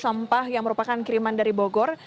sampah yang merupakan kiriman dari bogor